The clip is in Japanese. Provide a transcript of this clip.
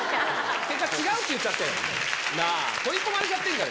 結果、違うって言っちゃったよ。